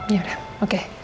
ya udah oke